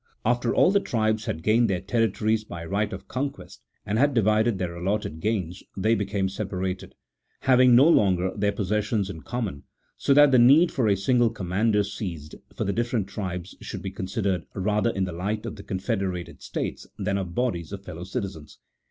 After all the tribes had gained their territories by right of conquest, and had divided their allotted gains, they became separated, having no longer their possessions in common, so that the need for a single commander ceased, for the different tribes should be considered rather in the light of confederated states than of bodies of fellow citizens.